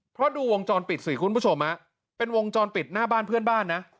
เพราะดูวงจรปิดสิคุณผู้ชมเป็นวงจรปิดหน้าบ้านเพื่อนบ้านนะ